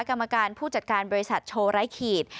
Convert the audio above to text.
กรรมการผู้จัดการบริษัทโชว์ไร้ขีด